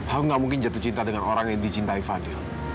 aku gak mungkin jatuh cinta dengan orang yang dicintai fadil